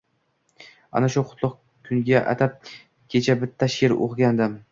Ana shu qutlug` kunga atab kecha bitta she`r o`qigandim